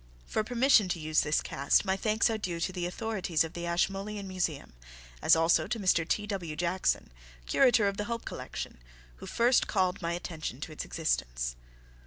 For permission to use this cast my thanks are due to the authorities of the Ashmolean Museum, as also to Mr. T.W. Jackson, Curator of the Hope Collection, who first called my attention to its existence.